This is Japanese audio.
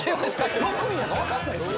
６人やから分かんないですよ。